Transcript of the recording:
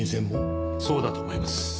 そうだと思います。